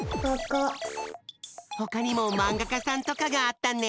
ほかにもマンガかさんとかがあったね。